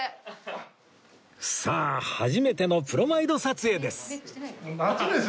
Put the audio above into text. さあ初めてのプロマイド撮影です